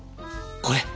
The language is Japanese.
これ！